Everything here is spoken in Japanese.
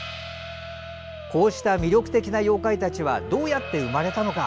こうした魅力的な妖怪たちはどうやって生まれたのか。